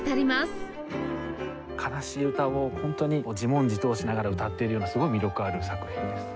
哀しい歌をホントに自問自答しながら歌ってるようなすごい魅力ある作品です。